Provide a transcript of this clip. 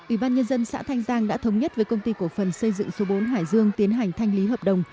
ủy ban nhân dân xã thanh giang đã thống nhất với công ty cổ phần xây dựng số bốn hải dương tiến hành thanh lý hợp đồng